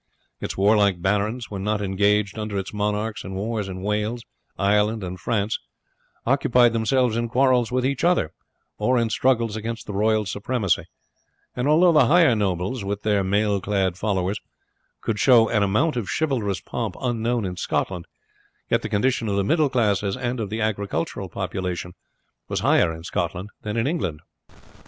Its warlike barons, when not engaged under its monarchs in wars in Wales, Ireland, and France, occupied themselves in quarrels with each other, or in struggles against the royal supremacy; and although the higher nobles, with their mailclad followers, could show an amount of chivalrous pomp unknown in Scotland, yet the condition of the middle classes and of the agricultural population was higher in Scotland than in England.